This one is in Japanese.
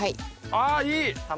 あいい！